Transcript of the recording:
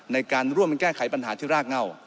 ในการร่วมกันแก้ไขปัญหาที่รากเง่า